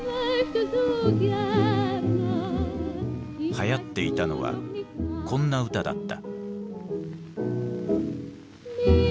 はやっていたのはこんな歌だった。